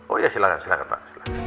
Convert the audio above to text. oh iya silahkan pak